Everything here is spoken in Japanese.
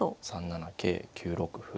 ３七桂９六歩。